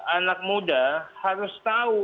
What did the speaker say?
anak muda harus tahu